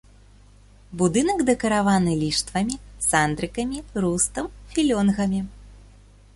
Будынак дэкараваны ліштвамі, сандрыкамі, рустам, філёнгамі.